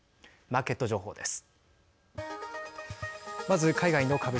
マーケット情報です。